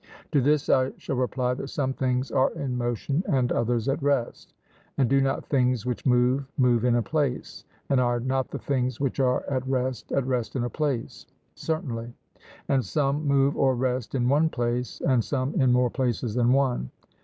To this I shall reply that some things are in motion and others at rest. 'And do not things which move move in a place, and are not the things which are at rest at rest in a place?' Certainly. 'And some move or rest in one place and some in more places than one?'